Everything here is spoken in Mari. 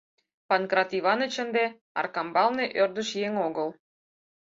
Панкрат Иваныч ынде Аркамбалне ӧрдыж еҥ огыл.